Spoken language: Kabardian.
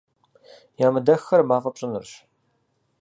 Ямыдэххэр мафӀэ пщӀынырщ.